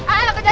ayo kejar aku